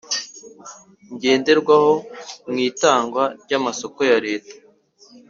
ngenderwaho mu itangwa ry amasoko ya Leta